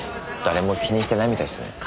誰も気にしてないみたいっすね。